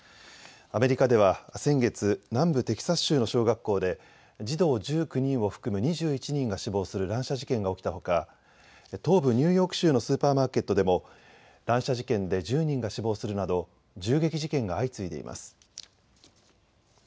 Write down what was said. アメリカでは先月、南部テキサス州の小学校で児童１９人を含む２１人が死亡する乱射事件が起きたほか東部ニューヨーク州のスーパーマーケットでも乱射事件で１０人が死亡するなど銃撃事件が相次いでいます。